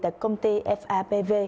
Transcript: tại công ty fapv